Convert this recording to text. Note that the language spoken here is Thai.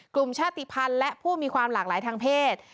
กลุ่มชาติภัณฑ์และผู้มีความหลากหลายทางเพศ